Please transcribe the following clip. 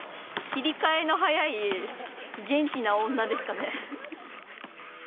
切り替えの早い元気な女ですかね。